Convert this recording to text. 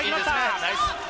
ナイス左。